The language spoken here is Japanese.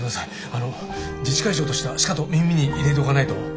あの自治会長としてはしかと耳に入れておかないと。